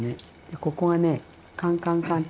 でここはねカンカンカン